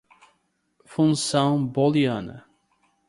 função booliana